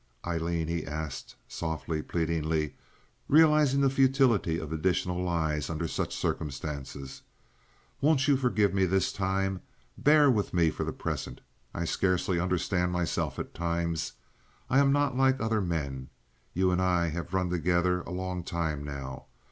"Aileen," he asked, softly, pleadingly, realizing the futility of additional lies under such circumstances, "won't you forgive me this time? Bear with me for the present. I scarcely understand myself at times. I am not like other men. You and I have run together a long time now.